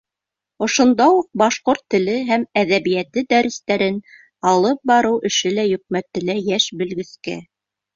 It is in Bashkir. Ошонда уҡ башҡорт теле һәм әҙәбиәте дәрестәрен алып барыу эше лә йөкмәтелә йәш белгескә.